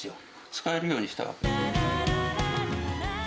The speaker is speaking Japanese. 使えるようにしたわけ。